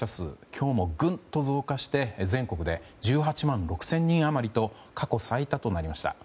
今日もぐんと増加して全国で１８万６０００人余りと過去最多となりました。